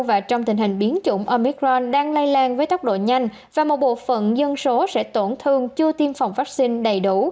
và trong tình hình biến chủng omicron đang lây lan với tốc độ nhanh và một bộ phận dân số sẽ tổn thương chưa tiêm phòng vaccine đầy đủ